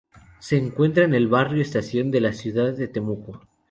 Se encuentra en el barrio Estación de la ciudad de Temuco.